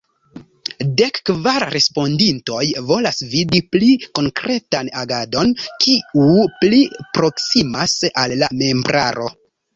Dek kvar respondintoj volas vidi pli konkretan agadon kiu pli proksimas al la membraro.